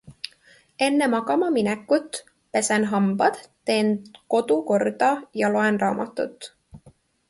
Enne magama minekut pesen hambad, teen kodu korda ja loen raamatut.